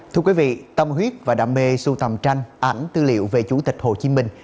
thưa quý vị tâm huyết và đam mê sưu tầm tranh ảnh tư liệu về chủ tịch hồ chí minh